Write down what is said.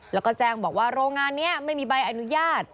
แล้วก็แจ้งบอกว่าโรงงานนี้ไม่มีใบอนุญาต